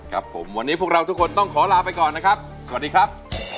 ครับผมวันนี้พวกเราทุกคนต้องขอลาไปก่อนนะครับสวัสดีครับ